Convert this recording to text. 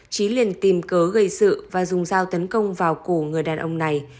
trí liền tìm cớ gây sự và dùng dao tấn công vào cổ người đàn ông này